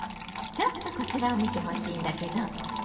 ちょっとこちらを見てほしいんだけど。